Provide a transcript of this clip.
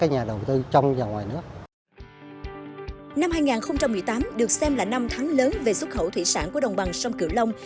năm hai nghìn một mươi tám được xem là năm thắng lớn về xuất khẩu thủy sản của đồng bằng sông cửu long